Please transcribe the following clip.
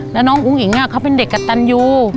แล้วน้องอุ้งอิ๋งเขาเป็นเด็กกระตันยู